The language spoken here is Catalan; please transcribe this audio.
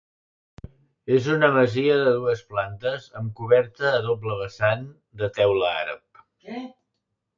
És una masia de dues plantes amb coberta a doble vessant de teula àrab.